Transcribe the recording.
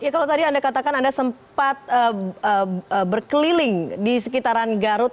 kalau tadi anda katakan anda sempat berkeliling di sekitaran garut